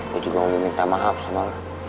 gue juga mau meminta maaf sama